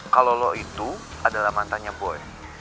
kalau lo itu adalah mantannya boy